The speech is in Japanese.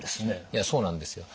いやそうなんですよ。